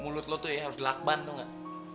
mulut lo tuh ya harus dilakban tuh gak